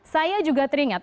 saya juga teringat